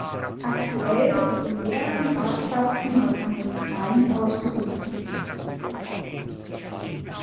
Aktuell wird es in mehreren Ortschaften Nordrhein-Westfalens ausgeübt.